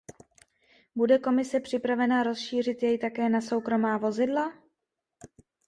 Bude Komise připravena rozšířit jej také na soukromá vozidla?